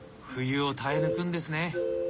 冬を耐え抜くんですね。